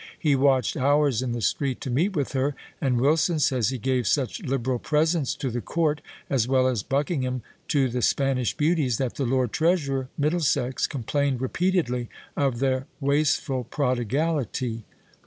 He watched hours in the street to meet with her; and Wilson says he gave such liberal presents to the court, as well as Buckingham to the Spanish beauties, that the Lord Treasurer Middlesex complained repeatedly of their wasteful prodigality.